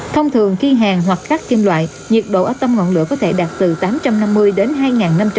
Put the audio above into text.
thông thường khi hàng hoặc cắt kim loại nhiệt độ ở tâm ngọn lửa có thể đạt từ tám trăm năm mươi đến hai nghìn năm trăm linh độ c